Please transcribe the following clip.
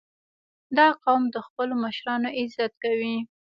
• دا قوم د خپلو مشرانو عزت کوي.